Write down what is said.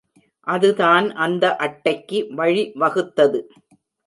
அதுதான் அந்த அட்டைக்கு வழிவகுத்தது.